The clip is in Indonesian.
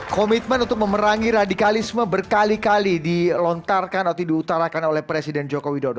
komitmen untuk memerangi radikalisme berkali kali dilontarkan atau diutarakan oleh presiden joko widodo